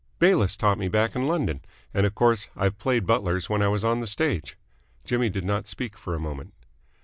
"Bayliss taught me back in London. And, of course, I've played butlers when I was on the stage." Jimmy did not speak for a moment.